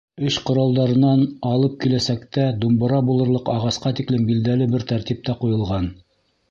Эш ҡоралдарынан алып киләсәктә думбыра булырлыҡ ағасҡа тиклем билдәле бер тәртиптә ҡуйылған.